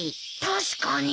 確かに。